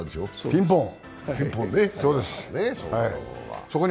ピンポン！